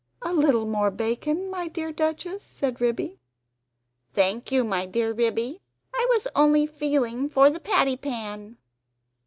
"A little more bacon, my dear Duchess?" said Ribby. "Thank you, my dear Ribby; I was only feeling for the patty pan."